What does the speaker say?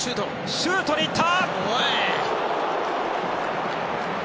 シュートにいった！